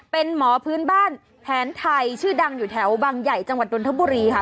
เป็นหมอพื้นบ้านแผนไทยชื่อดังอยู่แถวบางใหญ่จังหวัดดนทบุรีค่ะ